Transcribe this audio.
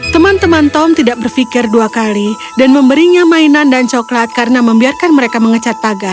teman teman tom tidak berpikir dua kali dan memberinya mainan dan coklat karena membiarkan mereka mengecat pagar